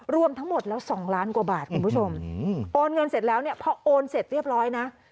รวมทั้งหมดแล้ว๒ล้านกว่าบาทคุณผู้ชมโอนเงินเสร็จแล้วเนี่ยพอโอนเสร็จเรียบร้อยนะ